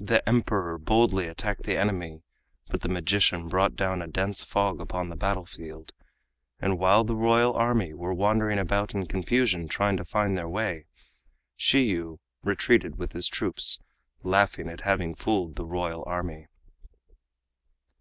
The Emperor boldly attacked the enemy, but the magician brought down a dense fog upon the battlefield, and while the royal army were wandering about in confusion, trying to find their way, Shiyu retreated with his troops, laughing at having fooled the royal army.